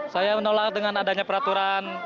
saya menolak dengan adanya peraturan